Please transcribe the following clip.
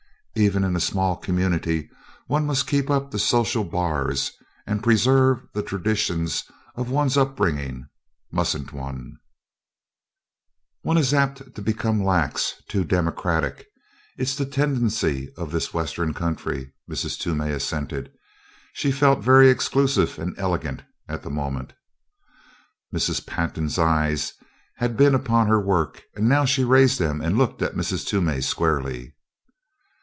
"Even in a small community one must keep up the social bars and preserve the traditions of one's up bringing, mustn't one?" "One is apt to become lax, too democratic it's the tendency of this western country," Mrs. Toomey assented. She felt very exclusive and elegant at the moment. Mrs. Pantin's eyes had been upon her work, now she raised them and looked at Mrs. Toomey squarely.